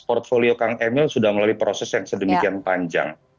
portfolio kang emil sudah melalui proses yang sedemikian panjang